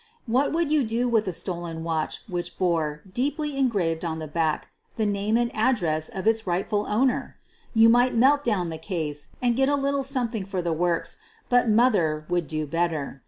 What would you do with a stolen watch which bore, deeply engraved on the back, the name and address of its rightful owner? You might melt down the case and get a little something for the works, but "Mother" would do better.